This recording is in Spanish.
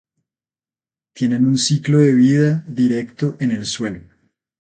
Tienen un ciclo de vida directo en el suelo.